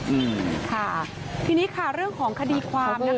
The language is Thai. อืมค่ะทีนี้ค่ะเรื่องของคดีความนะคะ